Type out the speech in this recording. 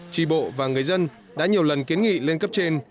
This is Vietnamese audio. trì bộ và người dân đã nhiều lần kiến nghị lên cấp trên